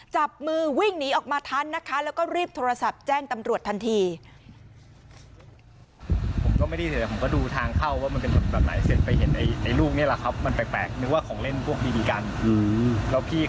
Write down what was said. จับมือวิ่งหนีออกมาทันนะคะแล้วก็รีบโทรศัพท์แจ้งตำรวจทันที